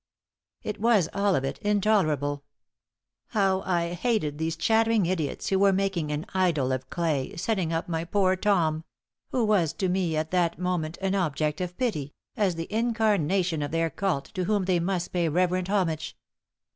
It was, all of it, intolerable. How I hated these chattering idiots, who were making an idol of clay, setting up my poor Tom who was to me at that moment an object of pity as the incarnation of their cult, to whom they must pay reverent homage!